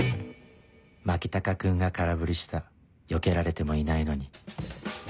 牧高君が空振りしたよけられてもいないのに